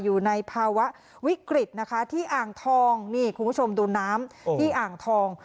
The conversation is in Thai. อยู่ในภาวะวิกฤตนะคะที่อ่างทองนี่คุณผู้ชมดูน้ำที่อ่างทอง